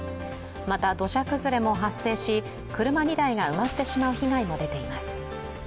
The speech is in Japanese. また、土砂崩れも発生し、車２台が埋まってしまう被害も出ています。